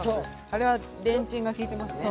あれはレンチンがきいてますね。